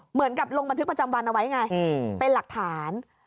เหมือนกับลงบันทึกประจำวันเอาไว้ไงเป็นหลักฐาน